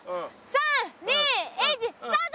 ３２１スタート！